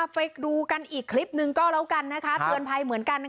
ไปดูกันอีกคลิปหนึ่งก็แล้วกันเตือนภัยเหมือนกัน